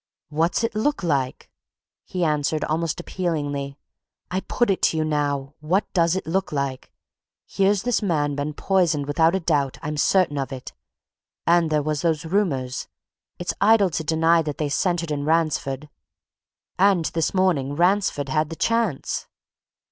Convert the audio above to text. "What's it look like?" he answered, almost appealingly. "I put it to you, now! what does it look like? Here's this man been poisoned without a doubt I'm certain of it. And there were those rumours it's idle to deny that they centred in Ransford. And this morning Ransford had the chance!"